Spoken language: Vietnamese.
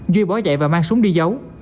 duy bỏ dậy và mang súng đi giấu